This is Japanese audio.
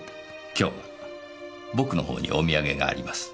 今日は僕の方にお土産があります。